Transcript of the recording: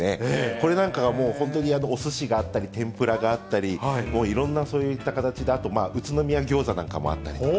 これなんかが本当におすしがあったり、天ぷらがあったり、いろんなそういった形で、あと宇都宮ギョーザなんかもあったりとか。